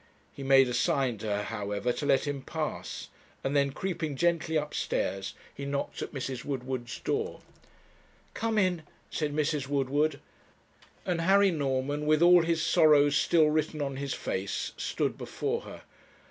He made a sign to her, however, to let him pass, and then, creeping gently upstairs, he knocked at Mrs. Woodward's door. 'Come in,' said Mrs. Woodward, and Harry Norman, with all his sorrows still written on his face, stood before her.